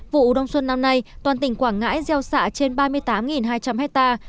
vụ đông xuân năm nay toàn tỉnh quảng ngãi gieo xạ trên ba mươi tám hai trăm linh hectare